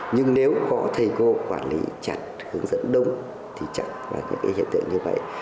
nhưng nếu có thầy cô quản lý chặt hướng dẫn đúng thì chặn vào những hiện tượng như vậy